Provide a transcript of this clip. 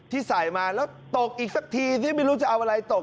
ที่ใส่มาแล้วตกอีกสักทีที่ไม่รู้จะเอาอะไรตก